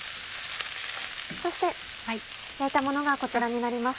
そして焼いたものがこちらになります。